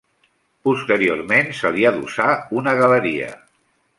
Posteriorment se li adossà una galeria.